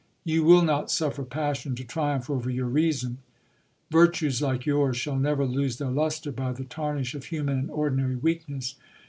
You will not suffer passion to triumph over your reason. Virtues like yours shall never lose their lustre by the tarnish of human and ordinary weakness.